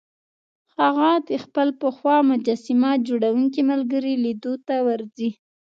هغه د خپل پخوا مجسمه جوړوونکي ملګري لیدو ته ورځي